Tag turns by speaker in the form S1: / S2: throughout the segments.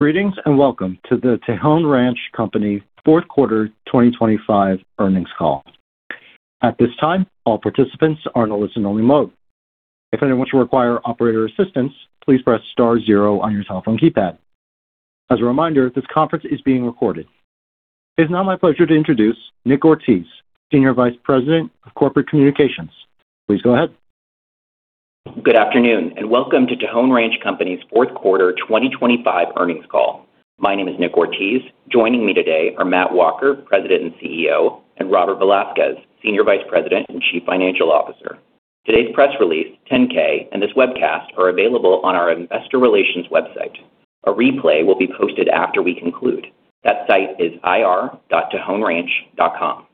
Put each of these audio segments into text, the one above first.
S1: Greetings, and welcome to the Tejon Ranch Company fourth quarter 2025 earnings call. At this time, all participants are in a listen-only mode. If anyone should require operator assistance, please press star zero on your telephone keypad. As a reminder, this conference is being recorded. It's now my pleasure to introduce Nick Ortiz, Senior Vice President of Corporate Communications. Please go ahead.
S2: Good afternoon, and welcome to Tejon Ranch Company's fourth quarter 2025 earnings call. My name is Nick Ortiz. Joining me today are Matt Walker, President and CEO, and Robert Velasquez, Senior Vice President and Chief Financial Officer. Today's press release, 10-K, and this webcast are available on our Investor Relations website. A replay will be posted after we conclude. That site is ir.tejonranch.com.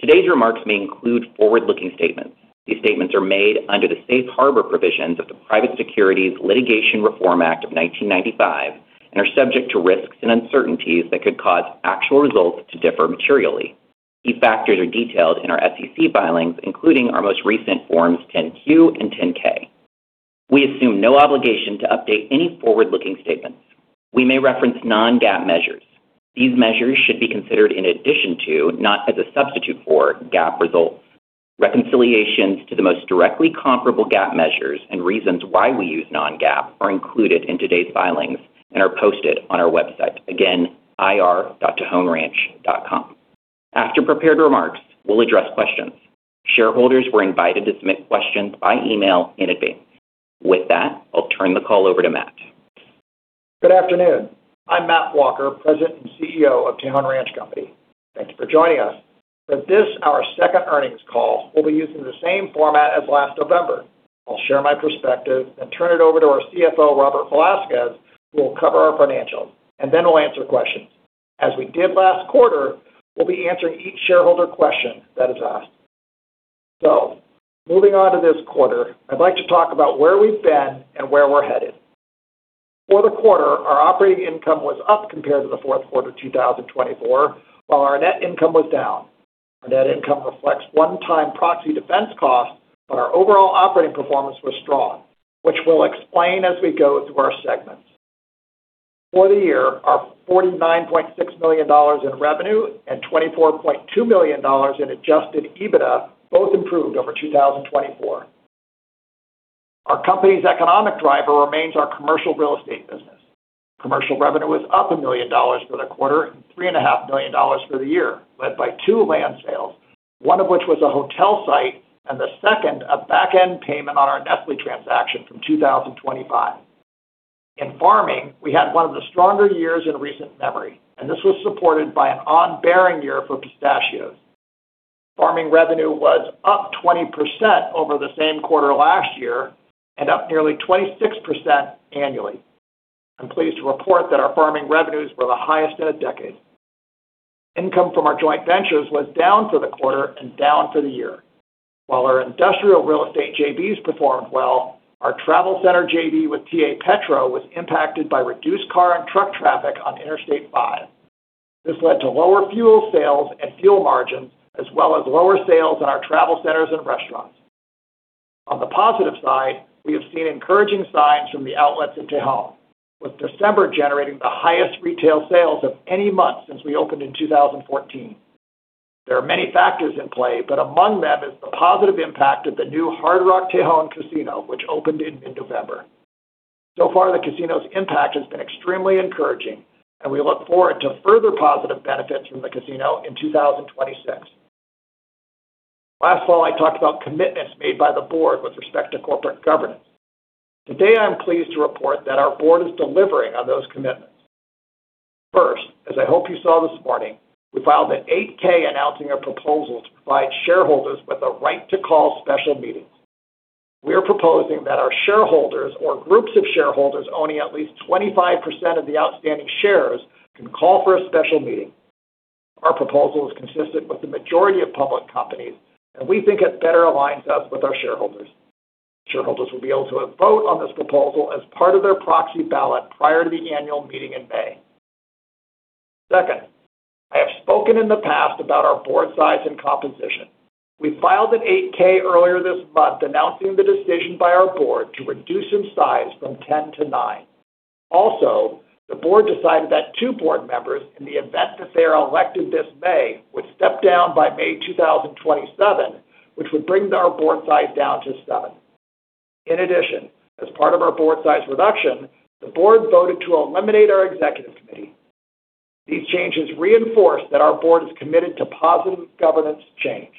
S2: Today's remarks may include forward-looking statements. These statements are made under the Safe Harbor provisions of the Private Securities Litigation Reform Act of 1995 and are subject to risks and uncertainties that could cause actual results to differ materially. These factors are detailed in our SEC filings, including our most recent Forms 10-Q and 10-K. We assume no obligation to update any forward-looking statements. We may reference non-GAAP measures. These measures should be considered in addition to, not as a substitute for, GAAP results. Reconciliations to the most directly comparable GAAP measures and reasons why we use non-GAAP are included in today's filings and are posted on our website, again, ir.tejonranch.com. After prepared remarks, we'll address questions. Shareholders were invited to submit questions by email in advance. With that, I'll turn the call over to Matt.
S3: Good afternoon. I'm Matt Walker, President and CEO of Tejon Ranch Company. Thanks for joining us. For this, our second earnings call, we'll be using the same format as last November. I'll share my perspective and turn it over to our CFO, Robert Velasquez, who will cover our financials, and then we'll answer questions. As we did last quarter, we'll be answering each shareholder question that is asked. Moving on to this quarter, I'd like to talk about where we've been and where we're headed. For the quarter, our operating income was up compared to the fourth quarter 2024, while our net income was down. Our net income reflects one-time proxy defense costs, but our overall operating performance was strong, which we'll explain as we go through our segments. For the year, our $49.6 million in revenue and $24.2 million in adjusted EBITDA both improved over 2024. Our company's economic driver remains our commercial real estate business. Commercial revenue was up $1 million for the quarter and $3.5 million for the year, led by two land sales, one of which was a hotel site and the second a back-end payment on our Nestlé transaction from 2025. In farming, we had one of the stronger years in recent memory, and this was supported by an on-bearing year for pistachios. Farming revenue was up 20% over the same quarter last year and up nearly 26% annually. I'm pleased to report that our farming revenues were the highest in a decade. Income from our joint ventures was down for the quarter and down for the year. While our industrial real estate JVs performed well, our travel center JV with TA Petro was impacted by reduced car and truck traffic on Interstate 5. This led to lower fuel sales and fuel margins as well as lower sales in our travel centers and restaurants. On the positive side, we have seen encouraging signs from the outlets in Tejon, with December generating the highest retail sales of any month since we opened in 2014. There are many factors in play, but among them is the positive impact of the new Hard Rock Casino Tejon, which opened in November. So far, the casino's impact has been extremely encouraging, and we look forward to further positive benefits from the casino in 2026. Last fall, I talked about commitments made by the board with respect to corporate governance. Today, I am pleased to report that our board is delivering on those commitments. First, as I hope you saw this morning, we filed a Form 8-K announcing a proposal to provide shareholders with the right to call special meetings. We are proposing that our shareholders or groups of shareholders owning at least 25% of the outstanding shares can call for a special meeting. Our proposal is consistent with the majority of public companies, and we think it better aligns us with our shareholders. Shareholders will be able to vote on this proposal as part of their proxy ballot prior to the annual meeting in May. Second, I have spoken in the past about our board size and composition. We filed a Form 8-K earlier this month announcing the decision by our board to reduce in size from 10 to nine. Also, the board decided that two board members, in the event that they are elected this May, would step down by May 2027, which would bring our board size down to seven. In addition, as part of our board size reduction, the board voted to eliminate our executive committee. These changes reinforce that our board is committed to positive governance change.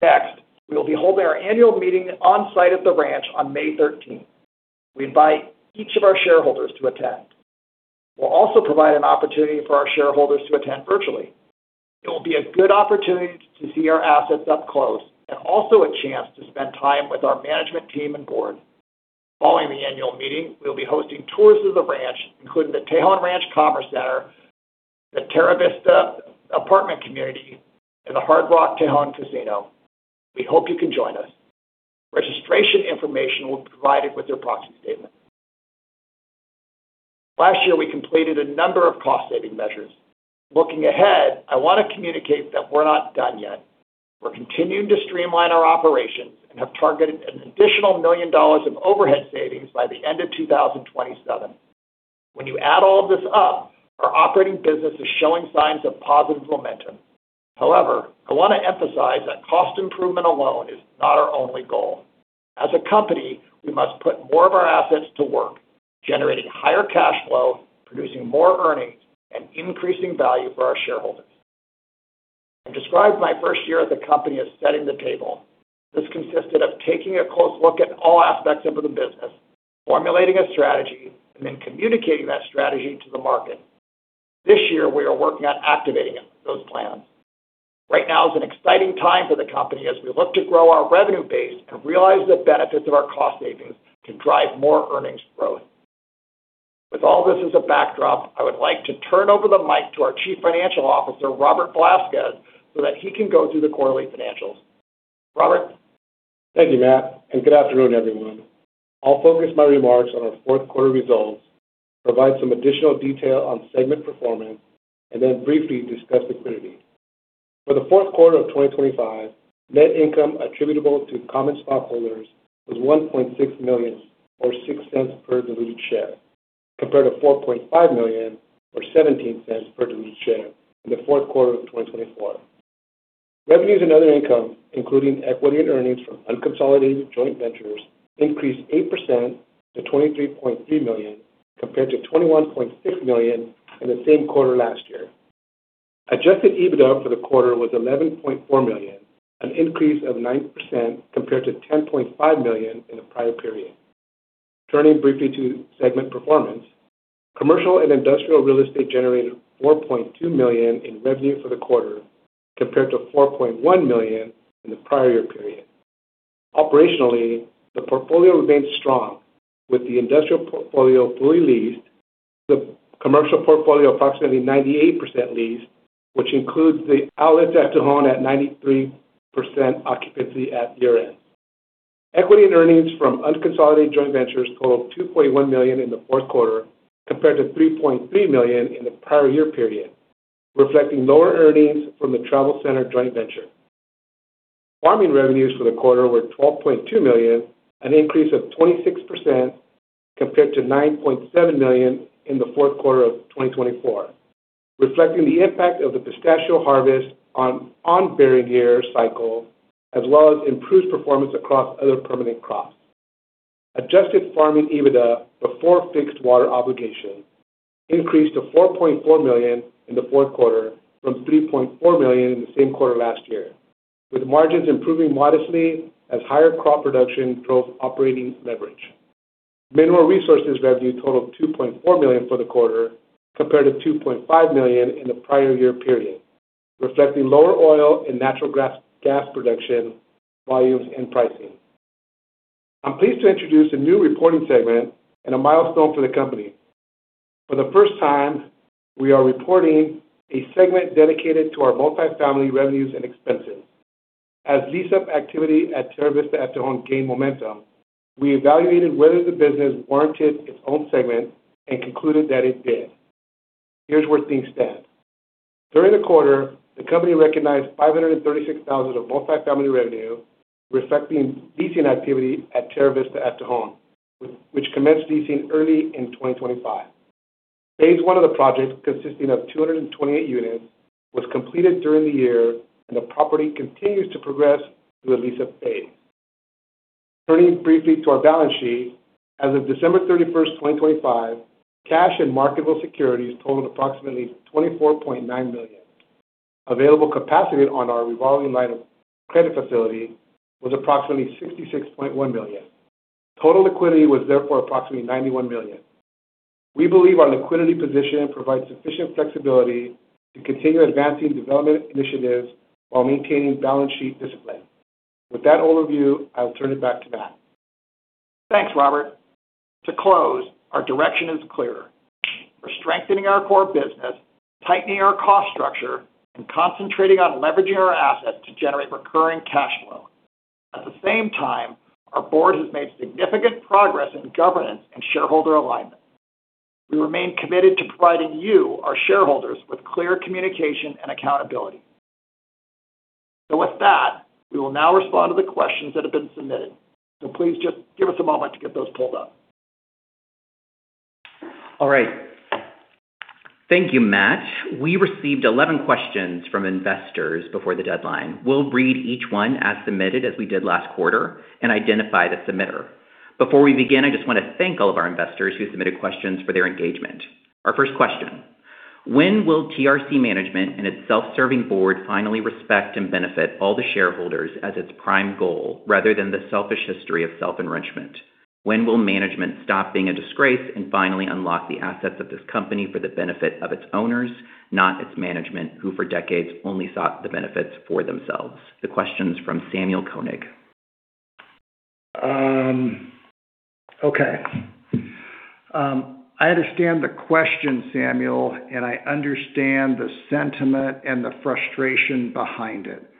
S3: Next, we will be holding our annual meeting on-site at the ranch on May 13. We invite each of our shareholders to attend. We'll also provide an opportunity for our shareholders to attend virtually. It will be a good opportunity to see our assets up close and also a chance to spend time with our management team and board. Following the annual meeting, we'll be hosting tours of the ranch, including the Tejon Ranch Commerce Center, the Terra Vista apartment community, and the Hard Rock Casino Tejon. We hope you can join us. Registration information will be provided with your proxy statement. Last year, we completed a number of cost-saving measures. Looking ahead, I want to communicate that we're not done yet. We're continuing to streamline our operations and have targeted an additional $1 million of overhead savings by the end of 2027. When you add all of this up, our operating business is showing signs of positive momentum. However, I want to emphasize that cost improvement alone is not our only goal. As a company, we must put more of our assets to work, generating higher cash flow, producing more earnings, and increasing value for our shareholders. I described my first year at the company as setting the table. This consisted of taking a close look at all aspects of the business, formulating a strategy, and then communicating that strategy to the market. This year, we are working at activating those plans. Right now is an exciting time for the company as we look to grow our revenue base and realize the benefits of our cost savings to drive more earnings growth. With all this as a backdrop, I would like to turn over the mic to our Chief Financial Officer, Robert Velasquez, so that he can go through the quarterly financials. Robert.
S4: Thank you, Matt, and good afternoon, everyone. I'll focus my remarks on our fourth quarter results, provide some additional detail on segment performance, and then briefly discuss liquidity. For the fourth quarter of 2025, net income attributable to common stockholders was $1.6 million or $0.06 per diluted share, compared to $4.5 million or $0.17 per diluted share in the fourth quarter of 2024. Revenues and other income, including equity and earnings from unconsolidated joint ventures, increased 8% to $23.3 million, compared to $21.6 million in the same quarter last year. Adjusted EBITDA for the quarter was $11.4 million, an increase of 9% compared to $10.5 million in the prior period. Turning briefly to segment performance. Commercial and industrial real estate generated $4.2 million in revenue for the quarter, compared to $4.1 million in the prior year period. Operationally, the portfolio remains strong with the industrial portfolio fully leased, the commercial portfolio approximately 98% leased, which includes the outlets at Tejon at 93% occupancy at year-end. Equity and earnings from unconsolidated joint ventures totaled $2.1 million in the fourth quarter compared to $3.3 million in the prior year period, reflecting lower earnings from the Travel Center joint venture. Farming revenues for the quarter were $12.2 million, an increase of 26% compared to $9.7 million in the fourth quarter of 2024, reflecting the impact of the pistachio harvest on bearing year cycle, as well as improved performance across other permanent crops. Adjusted farming EBITDA before fixed water obligation increased to $4.4 million in the fourth quarter from $3.4 million in the same quarter last year, with margins improving modestly as higher crop production drove operating leverage. Mineral resources revenue totaled $2.4 million for the quarter, compared to $2.5 million in the prior year period, reflecting lower oil and natural gas production volumes and pricing. I'm pleased to introduce a new reporting segment and a milestone for the company. For the first time, we are reporting a segment dedicated to our multifamily revenues and expenses. As lease-up activity at Terra Vista at Tejon gained momentum, we evaluated whether the business warranted its own segment and concluded that it did. Here's where things stand. During the quarter, the company recognized $536,000 of multifamily revenue, reflecting leasing activity at Terra Vista at Tejon, which commenced leasing early in 2025. Phase 1 of the project, consisting of 228 units, was completed during the year, and the property continues to progress through a lease-up phase. Turning briefly to our balance sheet. As of December 31, 2025, cash and marketable securities totaled approximately $24.9 million. Available capacity on our revolving line of credit facility was approximately $66.1 million. Total liquidity was therefore approximately $91 million. We believe our liquidity position provides sufficient flexibility to continue advancing development initiatives while maintaining balance sheet discipline. With that overview, I'll turn it back to Matt.
S3: Thanks, Robert. To close, our direction is clear. We're strengthening our core business, tightening our cost structure, and concentrating on leveraging our assets to generate recurring cash flow. At the same time, our board has made significant progress in governance and shareholder alignment. We remain committed to providing you, our shareholders, with clear communication and accountability. With that, we will now respond to the questions that have been submitted. Please just give us a moment to get those pulled up.
S2: All right. Thank you, Matt. We received 11 questions from investors before the deadline. We'll read each one as submitted as we did last quarter and identify the submitter. Before we begin, I just want to thank all of our investors who submitted questions for their engagement. Our first question: When will TRC management and its self-serving board finally respect and benefit all the shareholders as its prime goal rather than the selfish history of self-enrichment? When will management stop being a disgrace and finally unlock the assets of this company for the benefit of its owners, not its management, who for decades only sought the benefits for themselves? The question's from Samuel Koenig.
S3: I understand the question, Samuel, and I understand the sentiment and the frustration behind it.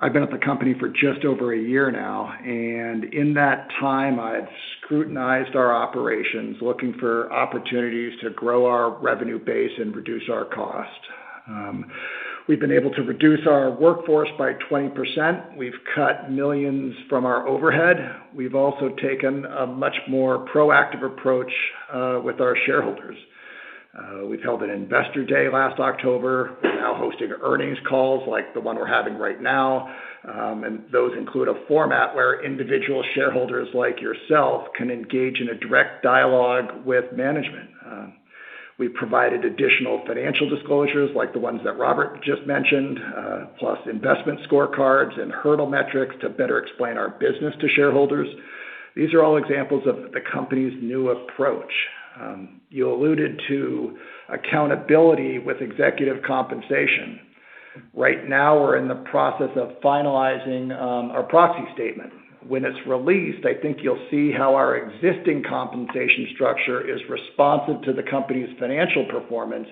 S3: I've been at the company for just over a year now, and in that time I've scrutinized our operations, looking for opportunities to grow our revenue base and reduce our cost. We've been able to reduce our workforce by 20%. We've cut millions of dollars from our overhead. We've also taken a much more proactive approach with our shareholders. We've held an Investor Day last October. We're now hosting earnings calls like the one we're having right now, and those include a format where individual shareholders like yourself can engage in a direct dialogue with management. We've provided additional financial disclosures like the ones that Robert just mentioned, plus investment scorecards and hurdle metrics to better explain our business to shareholders. These are all examples of the company's new approach. You alluded to accountability with executive compensation. Right now, we're in the process of finalizing our proxy statement. When it's released, I think you'll see how our existing compensation structure is responsive to the company's financial performance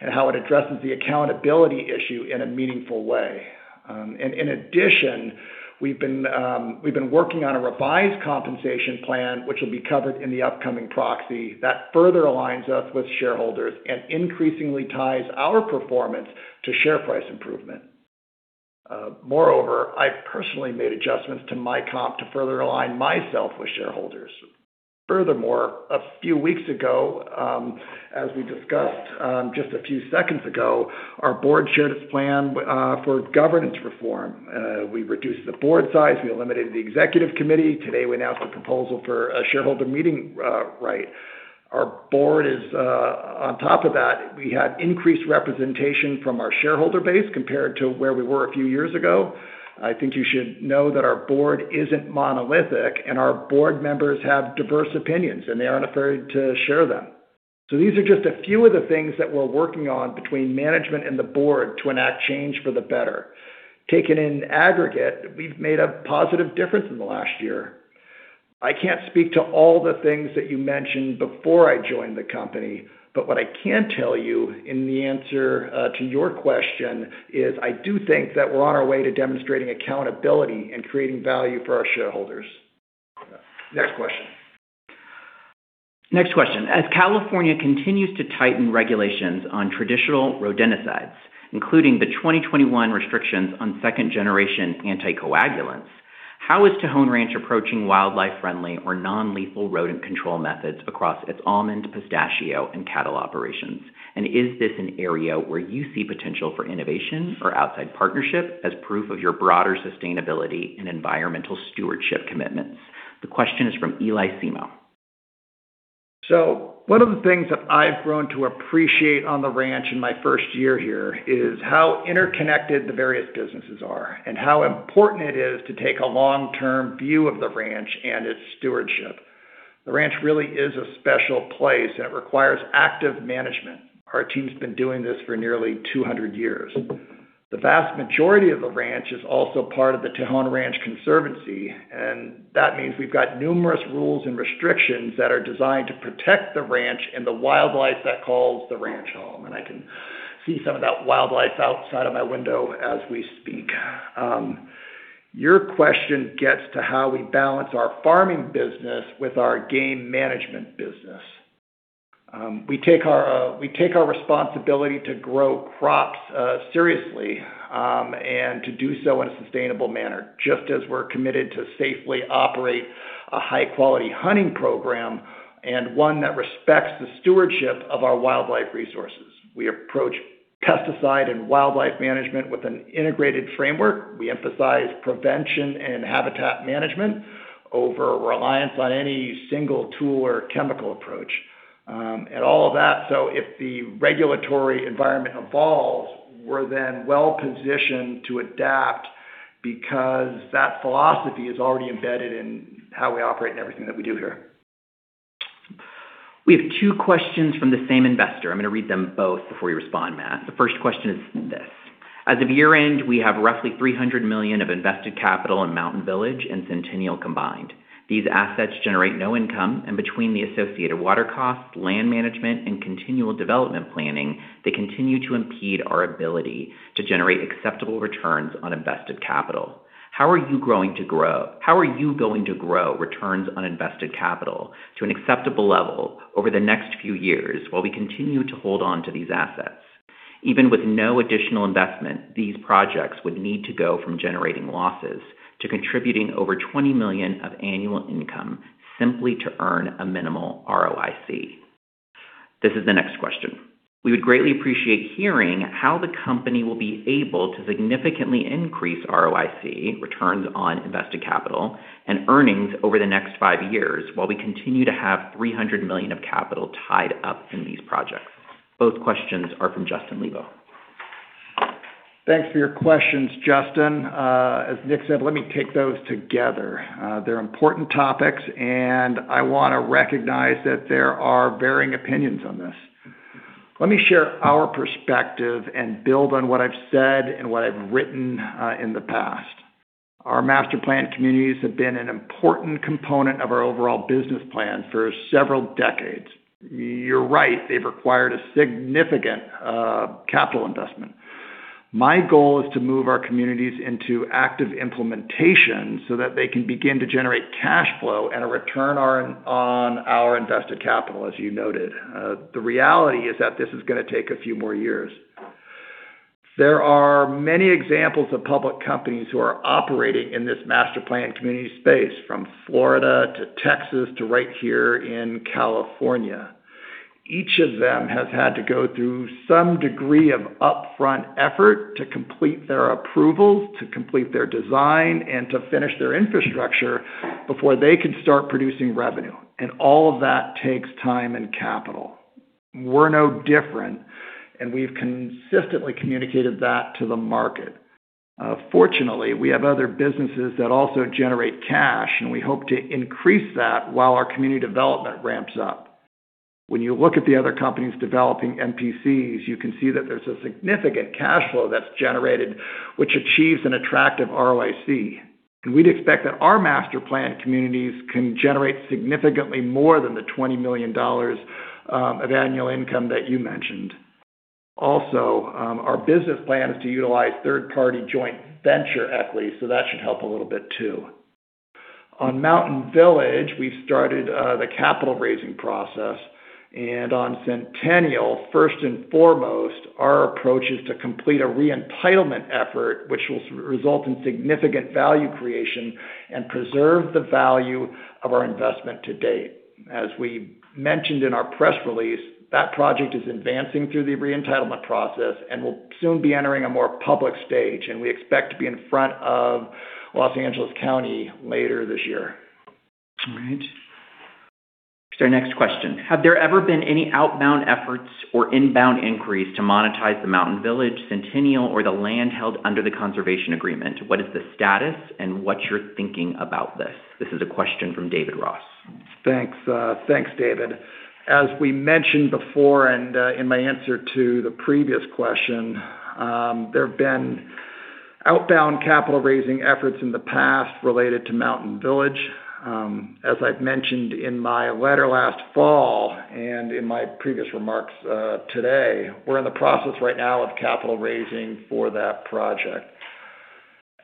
S3: and how it addresses the accountability issue in a meaningful way. In addition, we've been working on a revised compensation plan, which will be covered in the upcoming proxy that further aligns us with shareholders and increasingly ties our performance to share price improvement. Moreover, I personally made adjustments to my comp to further align myself with shareholders. Furthermore, a few weeks ago, as we discussed just a few seconds ago, our board shared its plan for governance reform. We reduced the board size. We eliminated the executive committee. Today, we announced a proposal for a shareholder meeting, right. Our board is on top of that. We had increased representation from our shareholder base compared to where we were a few years ago. I think you should know that our board isn't monolithic and our board members have diverse opinions, and they aren't afraid to share them. These are just a few of the things that we're working on between management and the board to enact change for the better. Taken in aggregate, we've made a positive difference in the last year. I can't speak to all the things that you mentioned before I joined the company, but what I can tell you in the answer to your question is I do think that we're on our way to demonstrating accountability and creating value for our shareholders. Next question.
S2: Next question. As California continues to tighten regulations on traditional rodenticides, including the 2021 restrictions on second generation anticoagulants, how is Tejon Ranch approaching wildlife friendly or non-lethal rodent control methods across its almond, pistachio, and cattle operations? Is this an area where you see potential for innovation or outside partnership as proof of your broader sustainability and environmental stewardship commitments? The question is from Eli Semo.
S3: One of the things that I've grown to appreciate on the ranch in my first year here is how interconnected the various businesses are and how important it is to take a long-term view of the ranch and its stewardship. The ranch really is a special place, and it requires active management. Our team's been doing this for nearly 200 years. The vast majority of the ranch is also part of the Tejon Ranch Conservancy, and that means we've got numerous rules and restrictions that are designed to protect the ranch and the wildlife that calls the ranch home. I can see some of that wildlife outside of my window as we speak. Your question gets to how we balance our farming business with our game management business. We take our responsibility to grow crops seriously, and to do so in a sustainable manner, just as we're committed to safely operate a high-quality hunting program and one that respects the stewardship of our wildlife resources. We approach pesticide and wildlife management with an integrated framework. We emphasize prevention and habitat management over reliance on any single tool or chemical approach. All of that--If the regulatory environment evolves, we're then well-positioned to adapt because that philosophy is already embedded in how we operate and everything that we do here.
S2: We have two questions from the same investor. I'm going to read them both before you respond, Matt. The first question is this: As of year-end, we have roughly $300 million of invested capital in Mountain Village and Centennial combined. These assets generate no income, and between the associated water costs, land management, and continual development planning, they continue to impede our ability to generate acceptable returns on invested capital. How are you going to grow returns on invested capital to an acceptable level over the next few years while we continue to hold on to these assets? Even with no additional investment, these projects would need to go from generating losses to contributing over $20 million of annual income simply to earn a minimal ROIC. This is the next question: We would greatly appreciate hearing how the company will be able to significantly increase ROIC, returns on invested capital, and earnings over the next five years while we continue to have $300 million of capital tied up in these projects. Both questions are from Justin Levo.
S3: Thanks for your questions, Justin. As Nick said, let me take those together. They're important topics, and I want to recognize that there are varying opinions on this. Let me share our perspective and build on what I've said and what I've written in the past. Our master plan communities have been an important component of our overall business plan for several decades. You're right, they've required a significant capital investment. My goal is to move our communities into active implementation so that they can begin to generate cash flow and a return on our invested capital, as you noted. The reality is that this is gonna take a few more years. There are many examples of public companies who are operating in this master planned community space, from Florida to Texas to right here in California. Each of them has had to go through some degree of upfront effort to complete their approvals, to complete their design, and to finish their infrastructure before they can start producing revenue. All of that takes time and capital. We're no different, and we've consistently communicated that to the market. Fortunately, we have other businesses that also generate cash, and we hope to increase that while our community development ramps up. When you look at the other companies developing MPCs, you can see that there's a significant cash flow that's generated, which achieves an attractive ROIC. We'd expect that our master planned communities can generate significantly more than the $20 million of annual income that you mentioned. Also, our business plan is to utilize third-party joint venture equity, so that should help a little bit too. On Mountain Village, we started the capital raising process, and on Centennial, first and foremost, our approach is to complete a re-entitlement effort, which will result in significant value creation and preserve the value of our investment to date. As we mentioned in our press release, that project is advancing through the re-entitlement process and will soon be entering a more public stage, and we expect to be in front of Los Angeles County later this year.
S2: All right. Our next question: Have there ever been any outbound efforts or inbound inquiries to monetize the Mountain Village Centennial or the land held under the conservation agreement? What is the status and what's your thinking about this? This is a question from David Ross.
S3: Thanks, David. As we mentioned before, and in my answer to the previous question, there have been outbound capital raising efforts in the past related to Mountain Village. As I've mentioned in my letter last fall, and in my previous remarks today, we're in the process right now of capital raising for that project.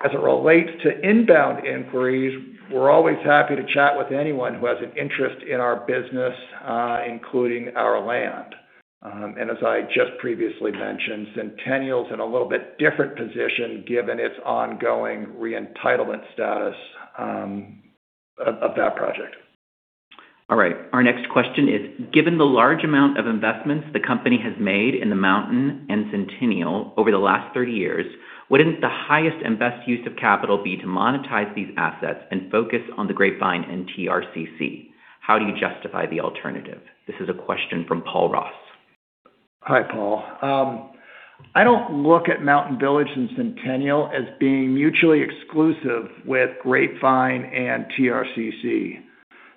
S3: As it relates to inbound inquiries, we're always happy to chat with anyone who has an interest in our business, including our land. As I just previously mentioned, Centennial is in a little bit different position given its ongoing re-entitlement status, of that project.
S2: All right. Our next question is: Given the large amount of investments the company has made in the Mountain and Centennial over the last 30 years, wouldn't the highest and best use of capital be to monetize these assets and focus on the Grapevine and TRCC? How do you justify the alternative? This is a question from Paul Ross.
S3: Hi, Paul. I don't look at Mountain Village and Centennial as being mutually exclusive with Grapevine and TRCC.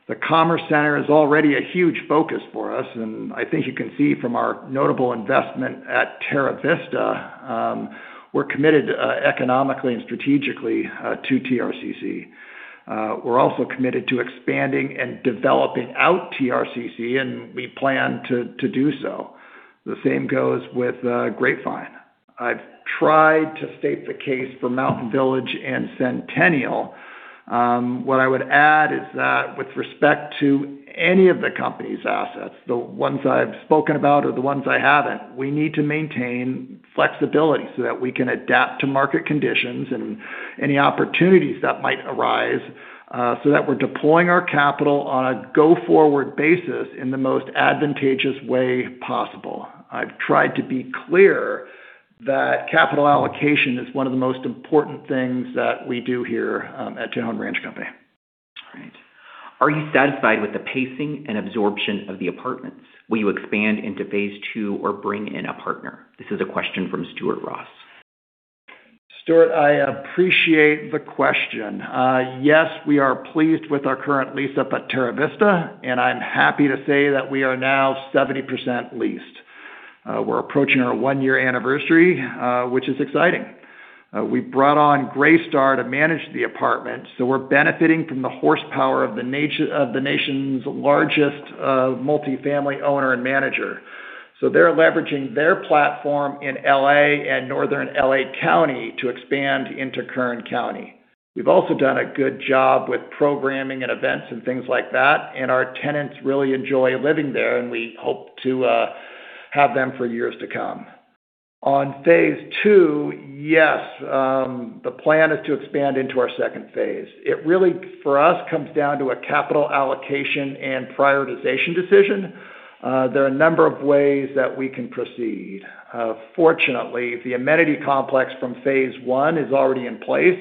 S3: The Commerce Center is already a huge focus for us, and I think you can see from our notable investment at Terra Vista, we're committed economically and strategically to TRCC. We're also committed to expanding and developing out TRCC, and we plan to do so. The same goes with Grapevine. I've tried to state the case for Mountain Village and Centennial. What I would add is that with respect to any of the company's assets, the ones I've spoken about or the ones I haven't, we need to maintain flexibility so that we can adapt to market conditions and any opportunities that might arise, so that we're deploying our capital on a go-forward basis in the most advantageous way possible. I've tried to be clear that capital allocation is one of the most important things that we do here, at Tejon Ranch Company.
S2: All right. Are you satisfied with the pacing and absorption of the apartments? Will you expand into phase two or bring in a partner? This is a question from Stuart Ross.
S3: Stuart, I appreciate the question. Yes, we are pleased with our current lease up at Terra Vista, and I'm happy to say that we are now 70% leased. We're approaching our one-year anniversary, which is exciting. We brought on Greystar to manage the apartments, so we're benefiting from the horsepower of the nation's largest multifamily owner and manager. They're leveraging their platform in L.A. and Northern L.A. County to expand into Kern County. We've also done a good job with programming and events and things like that, and our tenants really enjoy living there, and we hope to have them for years to come. On phase 2, yes, the plan is to expand into our second phase. It really, for us, comes down to a capital allocation and prioritization decision. There are a number of ways that we can proceed. Fortunately, the amenity complex from phase one is already in place,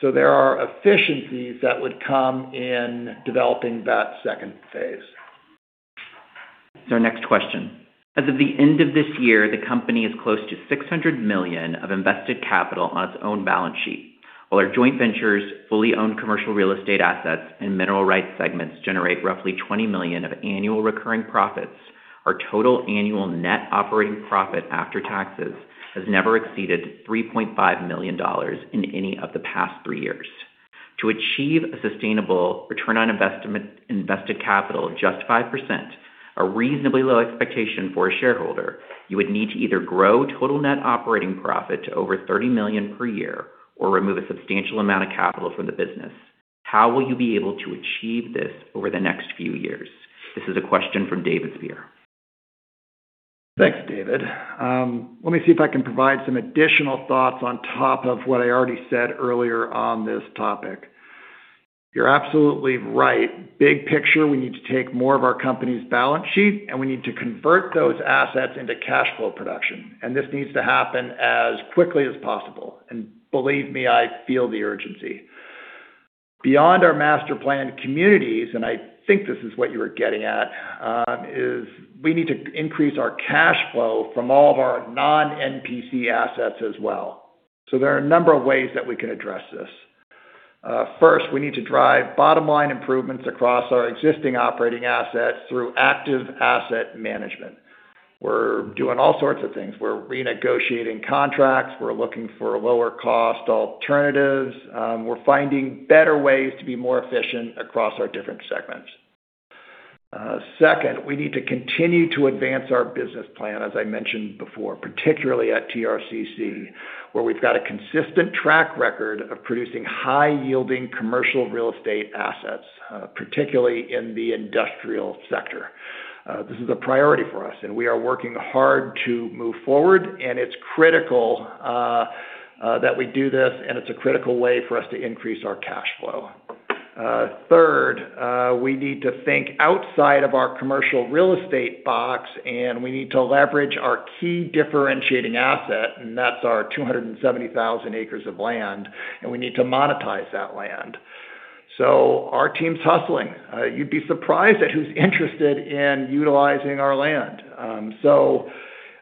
S3: so there are efficiencies that would come in developing that second phase.
S2: Our next question: As of the end of this year, the company is close to $600 million of invested capital on its own balance sheet. While our joint ventures, fully owned commercial real estate assets, and mineral rights segments generate roughly $20 million of annual recurring profits, our total annual net operating profit after taxes has never exceeded $3.5 million in any of the past three years. To achieve a sustainable return on investment, invested capital of just 5%, a reasonably low expectation for a shareholder, you would need to either grow total net operating profit to over $30 million per year or remove a substantial amount of capital from the business. How will you be able to achieve this over the next few years? This is a question from David Spear.
S3: Thanks, David. Let me see if I can provide some additional thoughts on top of what I already said earlier on this topic. You're absolutely right. Big picture, we need to take more of our company's balance sheet, and we need to convert those assets into cash flow production. This needs to happen as quickly as possible. Believe me, I feel the urgency. Beyond our master plan communities, and I think this is what you were getting at, is we need to increase our cash flow from all of our non-MPC assets as well. There are a number of ways that we can address this. First, we need to drive bottom-line improvements across our existing operating assets through active asset management. We're doing all sorts of things. We're renegotiating contracts. We're looking for lower cost alternatives. We're finding better ways to be more efficient across our different segments. Second, we need to continue to advance our business plan as I mentioned before, particularly at TRCC, where we've got a consistent track record of producing high-yielding commercial real estate assets, particularly in the industrial sector. This is a priority for us, and we are working hard to move forward, and it's critical that we do this, and it's a critical way for us to increase our cash flow. Third, we need to think outside of our commercial real estate box, and we need to leverage our key differentiating asset, and that's our 270,000 acres of land, and we need to monetize that land. Our team's hustling. You'd be surprised at who's interested in utilizing our land.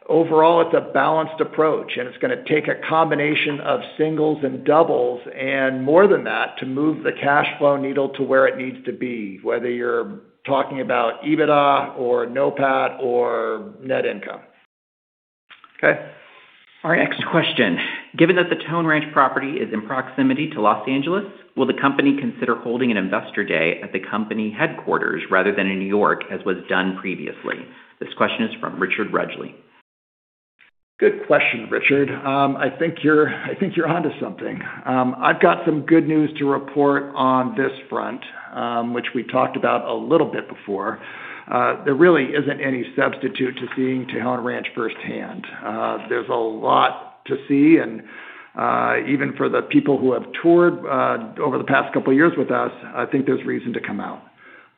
S3: Overall, it's a balanced approach, and it's gonna take a combination of singles and doubles and more than that to move the cash flow needle to where it needs to be, whether you're talking about EBITDA or NOPAT or net income.
S2: Okay. Our next question: Given that the Tejon Ranch property is in proximity to Los Angeles, will the company consider holding an investor day at the company headquarters rather than in New York as was done previously? This question is from Richard Rudgley.
S3: Good question, Richard. I think you're onto something. I've got some good news to report on this front, which we talked about a little bit before. There really isn't any substitute to seeing Tejon Ranch firsthand. There's a lot to see, and even for the people who have toured over the past couple of years with us, I think there's reason to come out.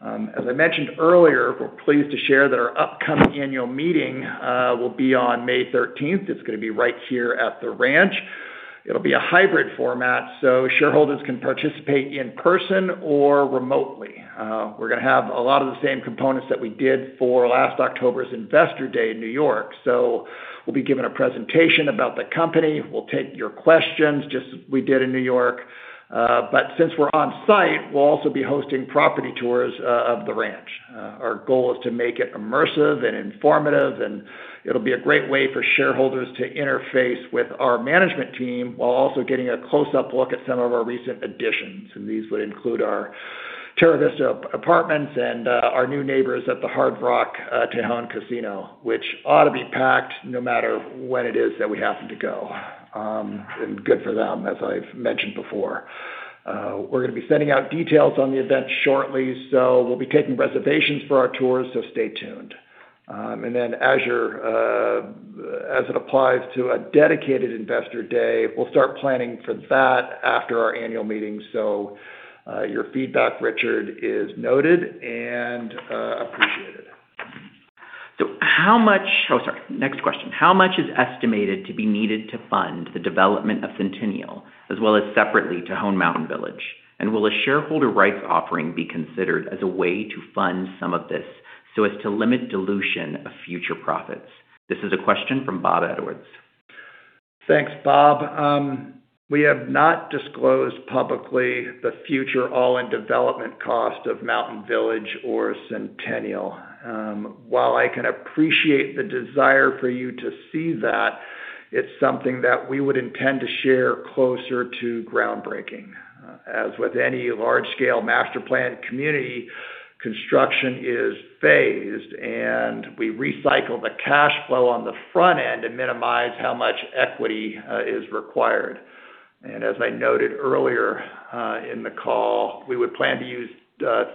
S3: As I mentioned earlier, we're pleased to share that our upcoming annual meeting will be on May 13th. It's gonna be right here at the ranch. It'll be a hybrid format, so shareholders can participate in person or remotely. We're gonna have a lot of the same components that we did for last October's Investor Day in New York. We'll be giving a presentation about the company. We'll take your questions just as we did in New York. Since we're on site, we'll also be hosting property tours of the ranch. Our goal is to make it immersive and informative, and it'll be a great way for shareholders to interface with our management team while also getting a close-up look at some of our recent additions. These would include our Terra Vista apartments and our new neighbors at the Hard Rock Casino Tejon, which ought to be packed no matter when it is that we happen to go. Good for them, as I've mentioned before. We're gonna be sending out details on the event shortly, so we'll be taking reservations for our tours, so stay tuned. As it applies to a dedicated Investor Day, we'll start planning for that after our annual meeting. Your feedback, Richard, is noted and appreciated.
S2: How much is estimated to be needed to fund the development of Centennial as well as separately to Tejon Mountain Village? Will a shareholder rights offering be considered as a way to fund some of this so as to limit dilution of future profits? This is a question from Bob Edwards.
S3: Thanks, Bob. We have not disclosed publicly the future all-in development cost of Mountain Village or Centennial. While I can appreciate the desire for you to see that, it's something that we would intend to share closer to groundbreaking. As with any large-scale master plan community, construction is phased, and we recycle the cash flow on the front end and minimize how much equity is required. As I noted earlier, in the call, we would plan to use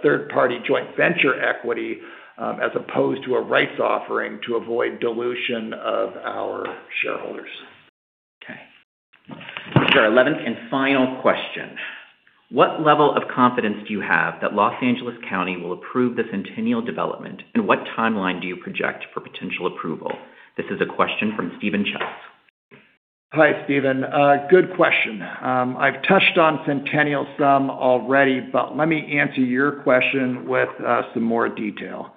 S3: third-party joint venture equity as opposed to a rights offering to avoid dilution of our shareholders.
S2: Okay. This is our eleventh and final question. What level of confidence do you have that Los Angeles County will approve the Centennial development, and what timeline do you project for potential approval? This is a question from Steven Chelst.
S3: Hi, Steven. Good question. I've touched on Centennial some already, but let me answer your question with some more detail.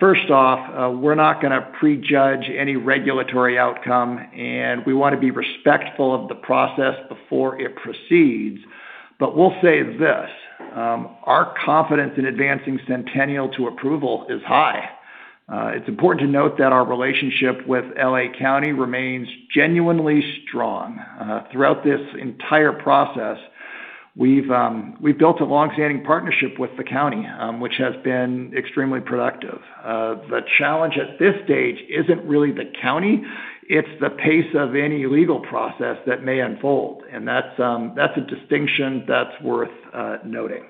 S3: First off, we're not gonna prejudge any regulatory outcome, and we wanna be respectful of the process before it proceeds. We'll say this, our confidence in advancing Centennial to approval is high. It's important to note that our relationship with L.A. County remains genuinely strong. Throughout this entire process, we've built a long-standing partnership with the county, which has been extremely productive. The challenge at this stage isn't really the county, it's the pace of any legal process that may unfold, and that's a distinction that's worth noting.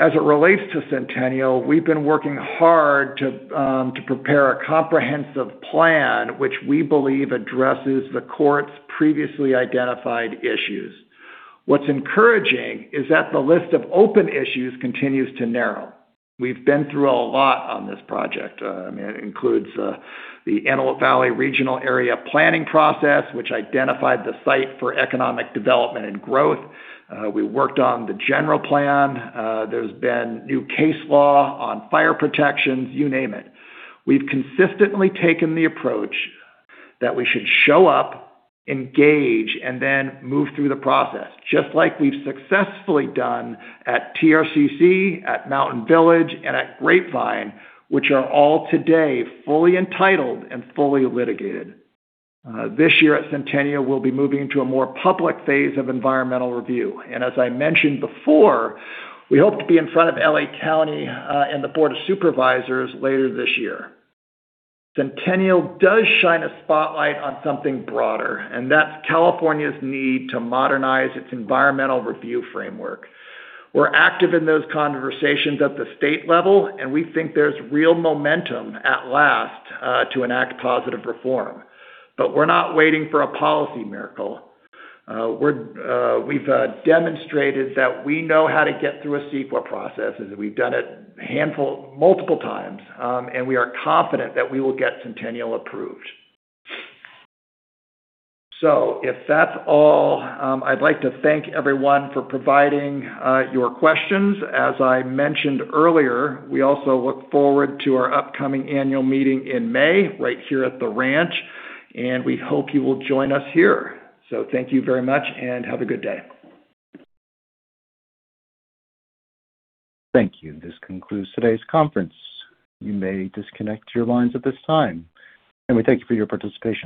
S3: As it relates to Centennial, we've been working hard to prepare a comprehensive plan which we believe addresses the court's previously identified issues. What's encouraging is that the list of open issues continues to narrow. We've been through a lot on this project. I mean, it includes the Antelope Valley Area Plan, which identified the site for economic development and growth. We worked on the general plan. There's been new case law on fire protections, you name it. We've consistently taken the approach that we should show up, engage, and then move through the process, just like we've successfully done at TRCC, at Mountain Village, and at Grapevine, which are all today fully entitled and fully litigated. This year at Centennial, we'll be moving to a more public phase of environmental review. As I mentioned before, we hope to be in front of L.A. County and the board of supervisors later this year. Centennial does shine a spotlight on something broader, and that's California's need to modernize its environmental review framework. We're active in those conversations at the state level, and we think there's real momentum at last to enact positive reform. But we're not waiting for a policy miracle. We've demonstrated that we know how to get through a CEQA process, as we've done it multiple times. We are confident that we will get Centennial approved. If that's all, I'd like to thank everyone for providing your questions. As I mentioned earlier, we also look forward to our upcoming annual meeting in May right here at the ranch, and we hope you will join us here. Thank you very much and have a good day.
S1: Thank you. This concludes today's conference. You may disconnect your lines at this time, and we thank you for your participation.